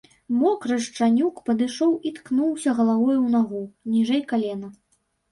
Мокры шчанюк падышоў і ткнуўся галавою ў нагу, ніжэй калена.